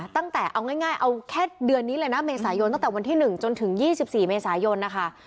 ตั้งแต่เอาง่ายเอาแค่เดือนนี้เลยนะเมษายนตั้งแต่วันที่๑จนถึง๒๔เมษายนนะคะ